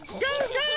ゴー！